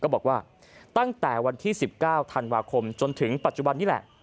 บอกว่าตั้งแต่วันที่๑๙ธันวาคมจนถึงปัจจุบันนี้แหละ